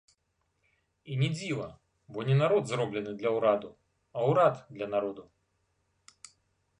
І не дзіва, бо не народ зроблены для ўраду, а ўрад для народу.